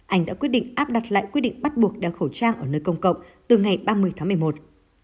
anh đã quyết định áp đặt lại quy định bắt buộc đeo khẩu trang ở nơi công cộng từ ngày ba mươi tháng một mươi một